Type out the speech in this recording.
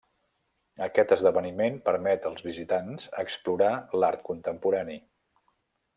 Aquest esdeveniment permet als visitants explorar l'art contemporani.